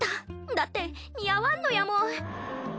だって似合わんのやもん。